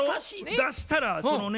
出したらそのね